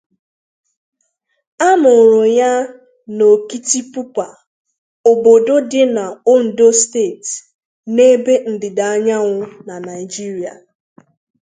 A mụrụ ya na Okitipupa, obodo di n' Ondo State n'ebe ndịda anyanwụ na Naijiria.